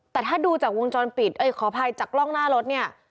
แต่ถ้าดูจากวงจรปิดเอ้ยขออภัยจากกล้องหน้ารถเนี่ย